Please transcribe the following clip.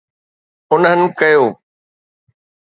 انهن ڪيو.